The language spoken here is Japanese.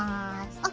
ＯＫ。